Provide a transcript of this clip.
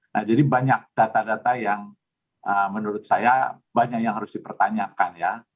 nah jadi banyak data data yang menurut saya banyak yang harus dipertanyakan ya